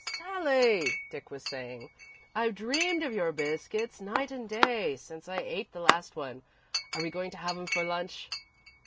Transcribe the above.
"Sally," Dick was saying, "I've dreamed of your biscuits night and day since I ate the last one. Are we going to have 'em for lunch?"